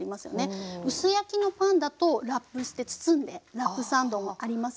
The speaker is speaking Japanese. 薄焼きのパンだとラップして包んでラップサンドもありますし。